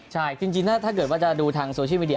ใช่จริงถ้าเกิดว่าจะดูทางโซเชียลมีเดี